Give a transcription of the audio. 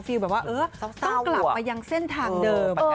แบบว่าต้องกลับมายังเส้นทางเดิม